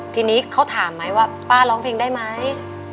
ทีนี้เขาถามไหมว่าป้าร้องเพลงได้ไหม